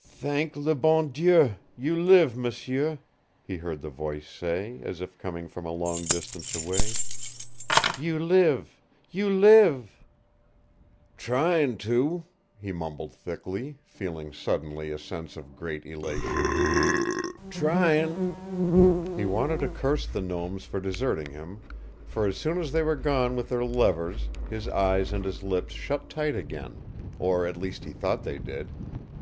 "Thank LE BON DIEU, you live, m'sieu," he heard the voice say, as if coming from a long distance away. "You live, you live " "Tryin' to," he mumbled thickly, feeling suddenly a sense of great elation. "Tryin' " He wanted to curse the gnomes for deserting him, for as soon as they were gone with their levers, his eyes and his lips shut tight again, or at least he thought they did.